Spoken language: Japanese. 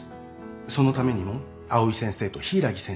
そのためにも藍井先生と柊木先生